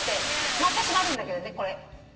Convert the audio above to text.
まあ私もあるんだけどねこれ。